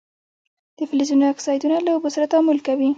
د فلزونو اکسایدونه له اوبو سره تعامل کوي.